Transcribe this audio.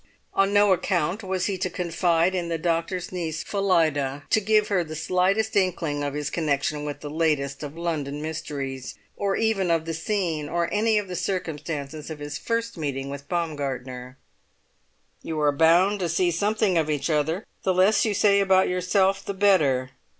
On no account was he to confide in the doctor's niece Phillida, to give her the slightest inkling of his connection with the latest of London mysteries, or even of the scene, or any of the circumstances of his first meeting with Baumgartner. "You are bound to see something of each other; the less you say about yourself the better."